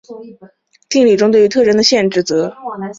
定理中对于特征的限制则与后来由岩泽健吉和除去。